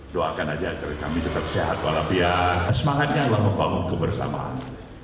doakan aja agar kami tetap sehat walafia semangatnya adalah membangun kebersamaan